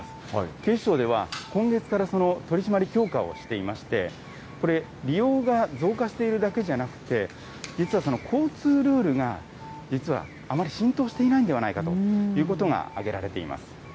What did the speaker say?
警視庁では、今月から取締り強化をしていまして、これ、利用が増加しているだけじゃなくて、実は交通ルールが、実はあまり浸透していないんではないかということが挙げられています。